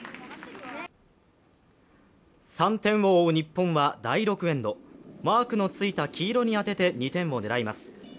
３点を追う日本は第６エンド、マークのついた黄色に当てて２点を狙います。